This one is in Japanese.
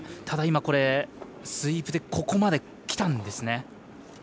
ただ、スイープでここまできたんですね。